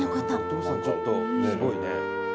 お父さんちょっとすごいね。